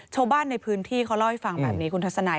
ชาวบ้านในพื้นที่เขาเล่าให้ฟังแบบนี้คุณทัศนัย